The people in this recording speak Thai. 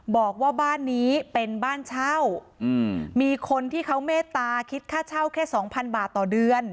บอกว่าบ้านนี้เป็นบ้านเช่ามีคนที่เขาเมตตาคิดค่าเช่าแค่สองพันบาทต่อเดือน